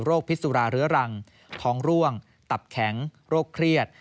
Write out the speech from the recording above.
พิสุราเรื้อรังท้องร่วงตับแข็งโรคเครียด